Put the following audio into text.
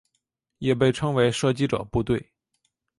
也被称为射击者部队。